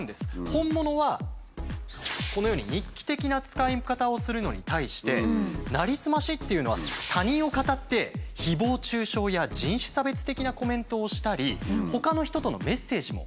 本物はこのように日記的な使い方をするのに対してなりすましっていうのは他人をかたって誹謗中傷や人種差別的なコメントをしたりほかの人とのメッセージもやり取りを行ったりもするんですね。